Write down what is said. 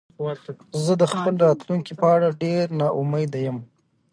زه د خپل راتلونکې په اړه ډېره نا امیده یم